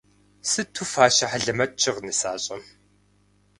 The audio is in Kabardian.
Сыту фащэ хьэлэмэт щыгъ нысащӏэм.